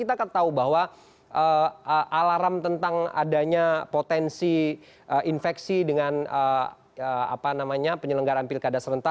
terima kasih pak